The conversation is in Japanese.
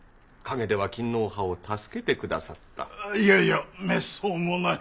あっいやいやめっそうもない。